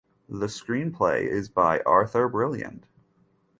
The screenplay is by Arthur Brilliant.